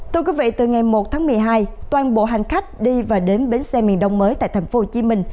từ ngày một tháng một mươi hai toàn bộ hành khách đi và đến bến xe miền đông mới tại tp hcm